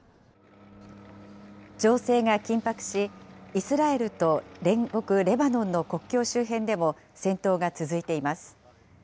情勢が緊迫し、イスラエルと隣国レバノンの国境周辺でも戦闘が続いています。